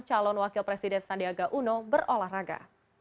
calon wakil presiden sandiaga uno berolahraga